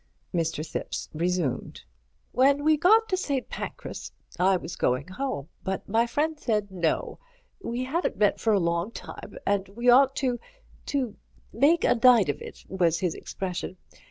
Mr. Thipps resumed. "When we got to St. Pancras I was going home, but my friend said no. We hadn't met for a long time and we ought to—to make a night of it, was his expression.